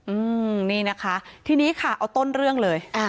อืมนี่นะคะทีนี้ค่ะเอาต้นเรื่องเลยอ่า